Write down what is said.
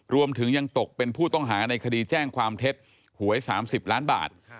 รวมถึงยังตกเป็นผู้ต้องหาในคดีแจ้งความเท็จหวย๓๐ล้านบาท